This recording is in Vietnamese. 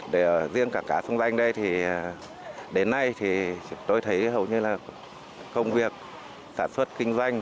để riêng cảng cá sông danh đây đến nay tôi thấy hầu như là công việc sản xuất kinh doanh